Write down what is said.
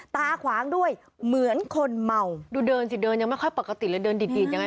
ตาขวางด้วยเหมือนคนเมาดูเดินสิเดินยังไม่ค่อยปกติเลยเดินดีดยังไง